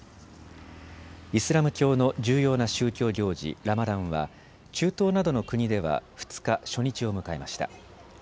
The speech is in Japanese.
イスラム教の重要な宗教行事、ラマダンは中東などの国では２日、初日を迎えました。